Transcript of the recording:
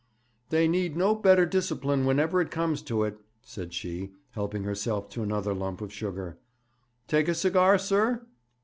'They need no better discipline whenever it comes to it,' said she, helping herself to another lump of sugar. 'Take a cigar, sir?'